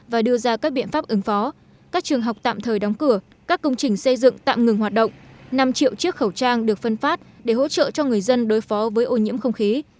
và đưa ra các biện pháp ứng phó các trường học tạm thời đóng cửa các công trình xây dựng tạm ngừng hoạt động năm triệu chiếc khẩu trang được phân phát để hỗ trợ cho người dân đối phó với ô nhiễm không khí